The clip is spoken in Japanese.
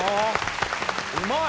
うまい！